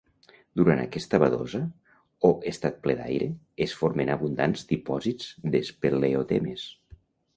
Durant aquesta vadosa, o estat ple d'aire, es formen abundants dipòsits d'espeleotemes.